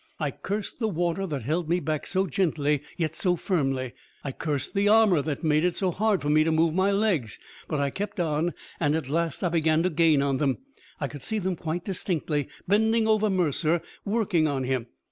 I cursed the water that held me back so gently yet so firmly; I cursed the armor that made it so hard for me to move my legs. But I kept on, and at last I began to gain on them; I could see them quite distinctly, bending over Mercer, working on him....